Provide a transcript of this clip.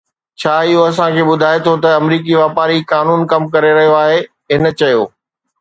ڇا اهو اسان کي ٻڌائي ٿو ته آمريڪي واپاري قانون ڪم ڪري رهيو آهي، هن چيو